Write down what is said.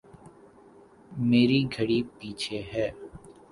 میری گھڑی پیچھے ہے